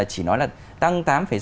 chỉ nói là tăng tám sáu